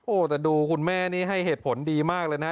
โอ้โหแต่ดูคุณแม่นี่ให้เหตุผลดีมากเลยนะ